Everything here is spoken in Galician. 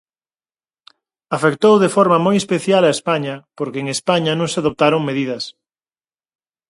Afectou de forma moi especial a España porque en España non se adoptaron medidas.